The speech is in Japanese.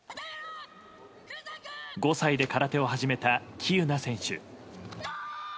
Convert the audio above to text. ５歳で空手を始めた喜友名選手。